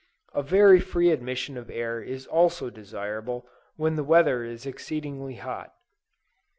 A very free admission of air is also desirable when the weather is exceedingly hot.